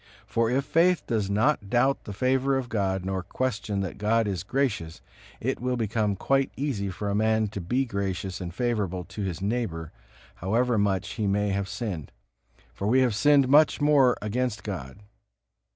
For if faith does not doubt the favor of God nor question that God is gracious, it will become quite easy for a man to be gracious and favorable to his neighbor, however much he may have sinned; for we have sinned much more against God.